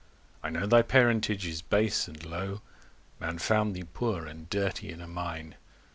I know thy parentage is base and low: Man found thee poore and dirtie in a mine.